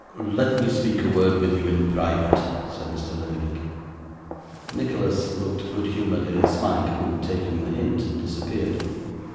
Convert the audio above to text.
'Let me speak a word with you in private,' said Mr. Lillyvick. Nicholas looked good humouredly at Smike, who, taking the hint, disappeared.